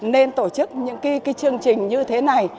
nên tổ chức những cái chương trình như thế này